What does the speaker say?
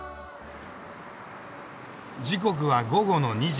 時刻は午後の２時。